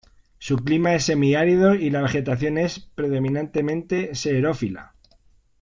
Su clima es semiárido y la vegetación es predominantemente xerófila.